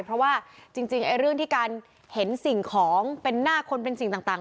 เพราะว่าจริงเรื่องที่การเห็นสิ่งของเป็นหน้าคนเป็นสิ่งต่าง